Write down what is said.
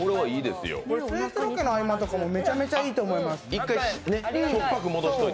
スイーツロケの間とかもめちゃめちゃいいと思います。